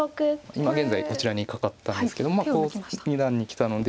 今現在こちらにカカったんですけどこう二段にきたので。